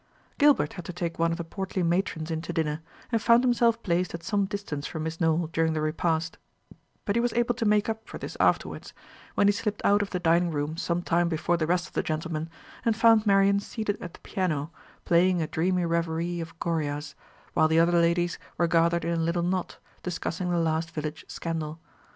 Gilbert had to take one of the portly matrons in to dinner, and found himself placed at some distance from Miss Nowell during the repast; but he was able to make up for this afterwards, when he slipped out of the dining room some time before the rest of the gentlemen, and found Marian seated at the piano, playing a dreamy reverie of Goria's, while the other ladies were gathered in a little knot, discussing the last village scandal.